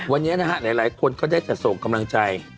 วันนี้นะฮะหลายคนก็ได้แต่ส่งกำลังใจ